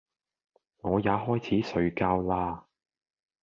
我也開始睡覺啦！